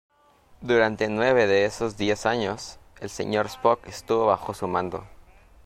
Durante nueve de esos diez años, el señor Spock estuvo bajo su mando.